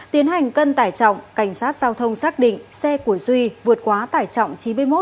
tiến hành cân tải trọng cảnh sát giao thông xác định xe của duy vượt quá tải trọng chín mươi một